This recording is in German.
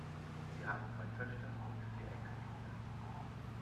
Sie haben drei Töchter und vier Enkelkinder.